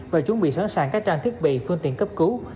và chuẩn bị sẵn sàng các trang thiết bị phương tiện cấp cứu